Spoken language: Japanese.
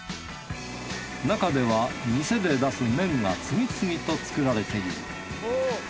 中では店で出す麺が次々と作られている。